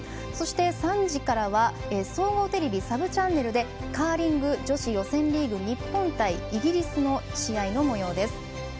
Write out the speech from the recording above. そして、３時からは総合テレビサブチャンネルでカーリング女子予選リーグ日本対イギリスの試合の模様です。